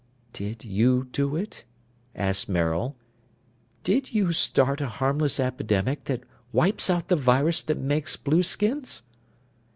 "Did you do it?" asked Maril. "Did you start a harmless epidemic that wipes out the virus that makes blueskins?"